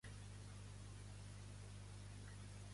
Bettinus es troba al sud de la conca Schiller-Zucchius.